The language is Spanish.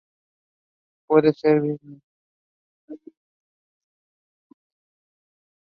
Pueden ser bienales o leñosas con hoja perenne.